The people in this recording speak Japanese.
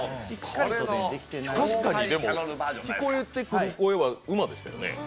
確かに、でも、聞こえてくる声は馬でしたよね。